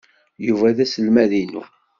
Yuba d aselmad-inu.